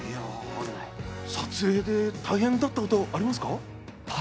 撮影で大変だったことありますか？